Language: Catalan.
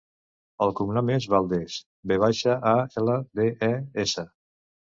El cognom és Valdes: ve baixa, a, ela, de, e, essa.